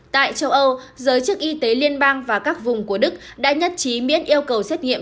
tại châu âu giới chức y tế liên bang và các vùng của đức đã nhất trí miễn yêu cầu xét nghiệm